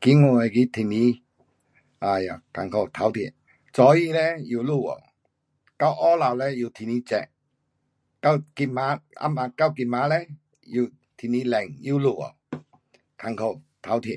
今天那个天气唉呀困苦，头痛。早起嘞又落雨。到下午嘞又天气热。到今晚，暗晚，到今晚嘞，又天气冷，又落雨。困苦。头痛。